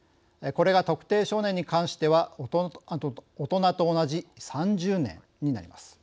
これが特定少年に関しては大人と同じ３０年になります。